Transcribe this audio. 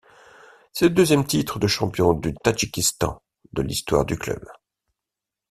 C'est le deuxième titre de champion du Tadjikistan de l'histoire du club.